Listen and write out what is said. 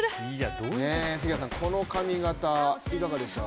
杉谷さん、この髪形、いかがでしょう？